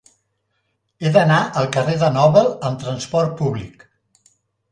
He d'anar al carrer de Nobel amb trasport públic.